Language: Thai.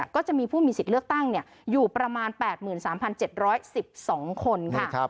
ก็จะมีผู้มีสิทธิ์เลือกตั้งอยู่ประมาณ๘๓๗๑๒คนค่ะ